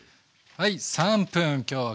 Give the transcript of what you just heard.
はい！